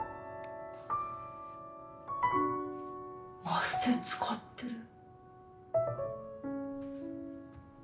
マステ使ってる。